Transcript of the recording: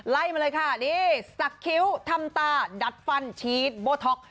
ไล่มาเลยค่ะนี่สักคิ้วทำตาดัดฟันชีสโบท็อก